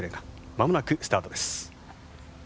まもなくスタートです。